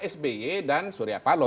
sby dan suryapalo